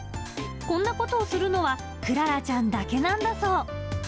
こんなことをするのは、クララちゃんだけなんだそう。